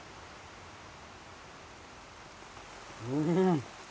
うん！